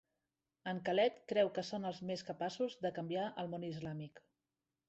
En Khaled creu que són els més capaços de canviar el món islàmic.